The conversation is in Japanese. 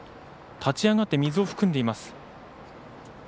立ち上がって水を含んでいます。